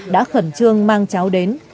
đã khẩn trương mang cháo đến